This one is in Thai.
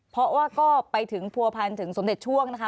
เพราะว่าก็ไปถึงผัวพันถึงสมเด็จช่วงนะคะ